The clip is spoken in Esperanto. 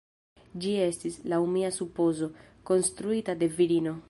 Ĝi estis, laŭ mia supozo, konstruita de virino.